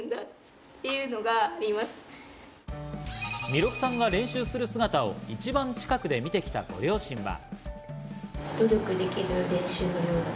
弥勒さんが練習する姿を一番近くで見てきたご両親は。